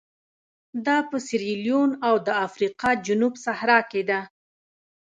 دا په سیریلیون او د افریقا جنوب صحرا کې ده.